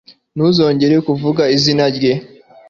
Ntuzongere kuvuga izina rye